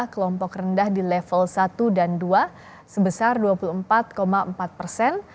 kelompok rendah di level satu dan dua sebesar dua puluh empat empat persen